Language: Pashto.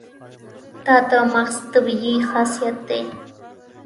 دا د مغز طبیعي خاصیت دی.